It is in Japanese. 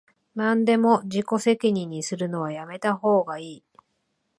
なんでも自己責任にするのはやめたほうがいい